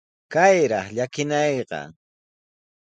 ¡Kayraq llakinayqa!